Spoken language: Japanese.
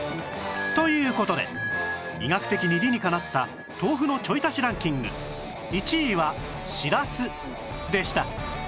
という事で医学的に理にかなった豆腐のちょい足しランキング１位はしらすでした